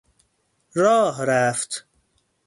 راه رفت